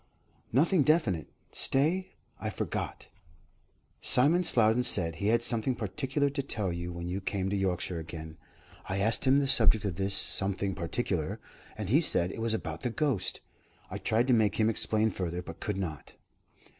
"Nothing definite. Stay, I forgot. Simon Slowden said he had something particular to tell you when you came to Yorkshire again. I asked him the subject of this 'something particular,' and he said it was about the ghost. I tried to make him explain further, but could not."